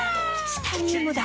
チタニウムだ！